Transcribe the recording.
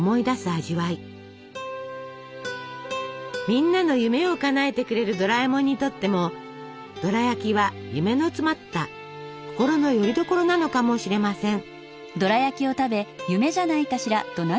みんなの夢をかなえてくれるドラえもんにとってもドラやきは夢の詰まった心のよりどころなのかもしれません。